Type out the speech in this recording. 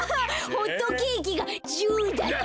ホットケーキがジュだって。